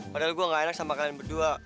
padahal gue gak enak sama kalian berdua